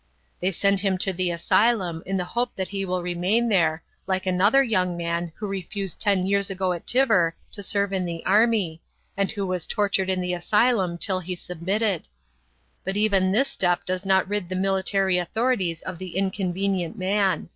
They send him to the asylum in the hope that he will remain there, like another young man, who refused ten years ago at Tver to serve in the army, and who was tortured in the asylum till he submitted. But even this step does not rid the military authorities of the inconvenient man.